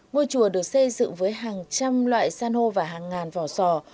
ngôi chùa được xây dựng với hàng trăm loại san hô và hàng ngàn vỏ sò